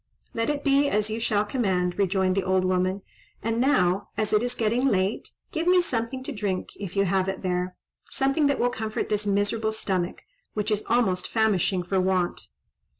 "Let it be as you shall command," rejoined the old woman; "and now, as it is getting late, give me something to drink, if you have it there—something that will comfort this miserable stomach, which is almost famishing for want."